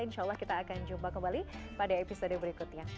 insya allah kita akan jumpa kembali pada episode berikutnya